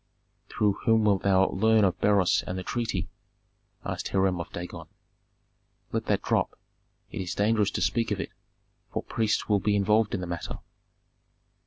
"Through whom wilt thou learn of Beroes and the treaty?" asked Hiram of Dagon. "Let that drop. It is dangerous to speak of it, for priests will be involved in the matter."